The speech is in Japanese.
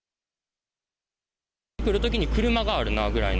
来るときに車があるなぐらいの。